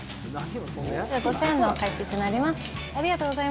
５０００円のお返しとなります。